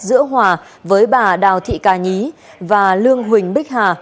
giữa hòa với bà đào thị ca nhí và lương huỳnh bích hà